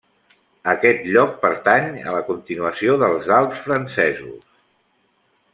Aquest lloc pertanya a la continuació dels Alps francesos.